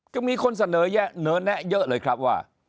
ก็มีคนเสนอแยะเหนือแนะเยอะเลยครับว่า